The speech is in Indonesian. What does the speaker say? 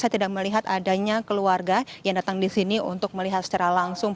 saya tidak melihat adanya keluarga yang datang di sini untuk melihat secara langsung